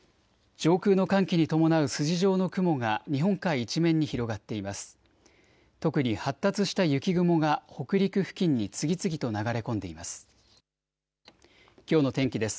上空の寒気に伴う筋状の雲が日本海一面に広がっています。